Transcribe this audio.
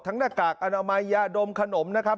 ทั้งหน้ากากอาณาไมยาดมขนมนะครับ